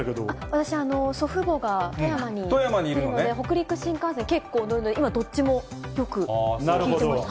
私、祖父母が富山にいるので、北陸新幹線、結構乗るので、今、どっちもよく聞いてました。